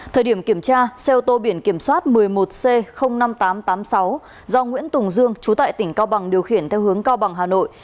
thời điểm kiểm tra xe ô tô biển kiểm soát một mươi một c năm nghìn tám trăm tám mươi sáu do nguyễn tùng dương chú tại tỉnh cao bằng điều khiển theo hướng cao bằng hà nội